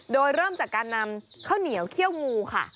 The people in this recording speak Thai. โดยเริ่มจากการนำข้าวเหนียวเขี้ยวงูค่ะ